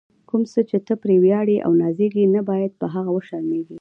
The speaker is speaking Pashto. کوم څه چې ته پرې ویاړې او نازېږې، نه باید په هغه وشرمېږې.